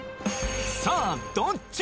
さあどっち？